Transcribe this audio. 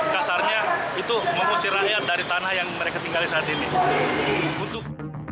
kasarnya itu mengusir rakyat dari tanah yang mereka tinggali saat ini